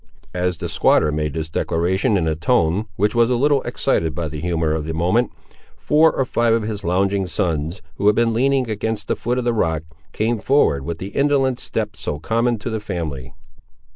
As the squatter made this declaration in a tone which was a little excited by the humour of the moment, four or five of his lounging sons, who had been leaning against the foot of the rock, came forward with the indolent step so common to the family.